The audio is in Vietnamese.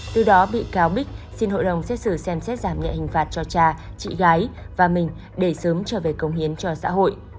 từ đó bị cáo bích xin hội đồng xét xử xem xét giảm nhẹ hình phạt cho cha chị gái và mình để sớm trở về công hiến cho xã hội